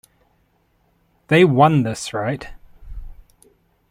They won this right.